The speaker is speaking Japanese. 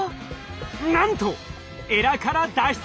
なんとエラから脱出！